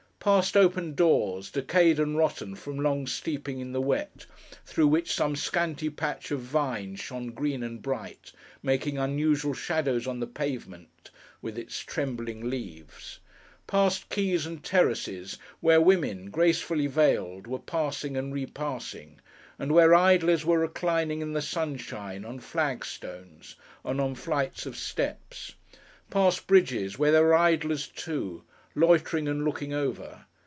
Past open doors, decayed and rotten from long steeping in the wet, through which some scanty patch of vine shone green and bright, making unusual shadows on the pavement with its trembling leaves. Past quays and terraces, where women, gracefully veiled, were passing and repassing, and where idlers were reclining in the sunshine, on flag stones and on flights of steps. Past bridges, where there were idlers too; loitering and looking over.